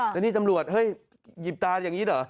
แล้วนี่ตำรวจเฮ้ยหยิบตาอย่างนี้เหรอ